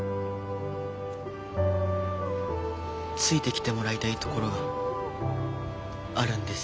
ついてきてもらいたいところがあるんです。